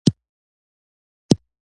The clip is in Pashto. دسپوږمۍ سپینه عفته الله هو، الله هو